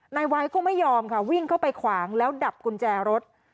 นายไว้ก็ไม่ยอมค่ะวิ่งเข้าไปขวางแล้วดับกุญแจรถ